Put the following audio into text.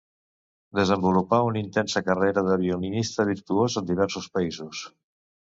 Desenvolupà una intensa carrera de violinista virtuós en diversos països.